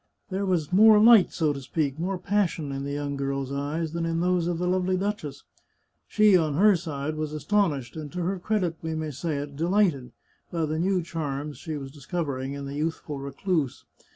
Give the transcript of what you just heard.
There was more light, so to speak, more passion, in the young girl's eyes than in those of the lovely duchess. She, on her side, was astonished, and to her credit we may say it, delighted, by the new charms she was discovering in the youthful recluse.